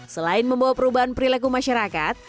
selain membawa perubahan perilaku masyarakat